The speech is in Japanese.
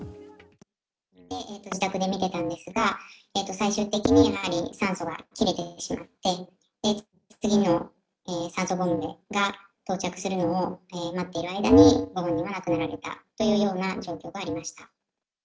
自宅で見てたんですが、最終的にやはり酸素が切れてしまって、次の酸素ボンベが到着するのを待っている間に、ご本人は亡くなられたというような状況がありました。